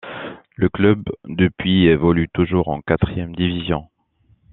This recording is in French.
Le club depuis évolue toujours en quatrième division.